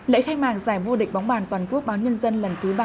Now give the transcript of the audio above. lễ khai mạc giải vô địch bóng bàn toàn quốc báo nhân dân lần thứ ba mươi tám